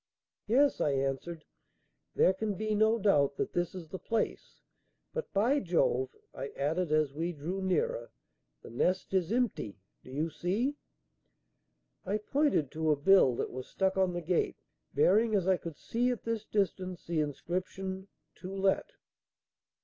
"Yes," I answered, "there can be no doubt that this is the place; but, by Jove!" I added, as we drew nearer, "the nest is empty! Do you see?" I pointed to a bill that was stuck on the gate, bearing, as I could see at this distance, the inscription "To Let."